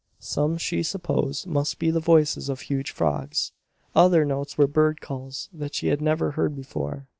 Some she supposed must be the voices of huge frogs; other notes were bird calls that she had never heard before.